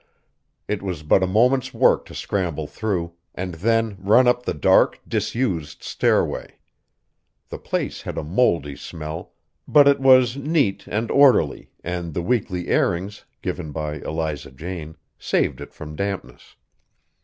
It was but a moment's work to scramble through, and then run up the dark, disused stairway. The place had a mouldy smell, but it was neat and orderly, and the weekly airings, given by Eliza Jane, saved it from dampness.